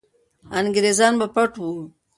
انګریزان به پټ وو.